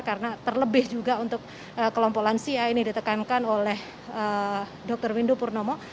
karena terlebih juga untuk kelompok lansia ini ditekankan oleh dr windu purnomo